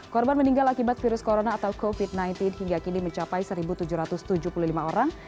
korban meninggal akibat virus corona atau covid sembilan belas hingga kini mencapai satu tujuh ratus tujuh puluh lima orang